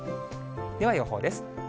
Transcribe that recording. では、予報です。